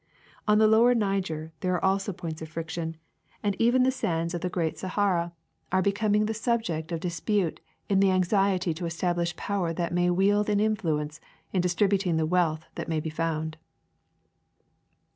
On the lower Niger there are also points of friction, and even the sands of the great 34 Herbert G. Ogden — Geogra2)]iy of the Land. Sahara are becoming the subject of dispute in the anxiety to establish jjower that may Avielcl an influence in distributing the wealth that may be found.